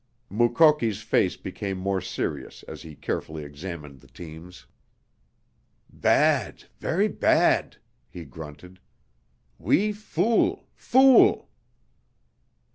Mukoki's face became more serious as he carefully examined the teams. "Bad ver' bad," he grunted. "We fool fool!"